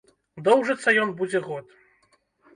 Доўжыцца ён будзе год.